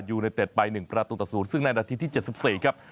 อยู่ในเต็ดใบ๑ประตูตะสูรซึ่งในนาทีที่๗๔ครับ